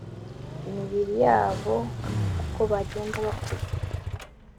imibiri yabo uko bagenda bakura